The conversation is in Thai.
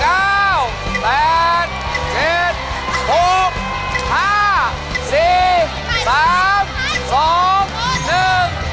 แล้วเราจะนับพร้อมกันนะครับ